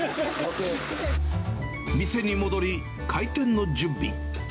店に戻り開店の準備。